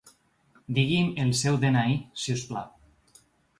Digui'm el seu de-ena-i, si us plau.